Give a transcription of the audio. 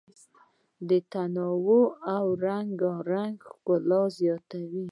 تنوع او رنګارنګي ښکلا زیاتوي.